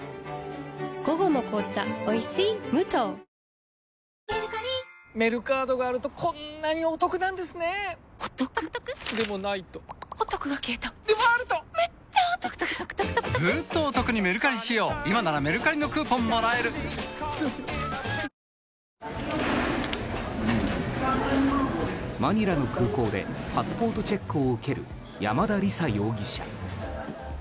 午後の紅茶おいしい無糖マニラの空港でパスポートチェックを受ける山田李沙容疑者。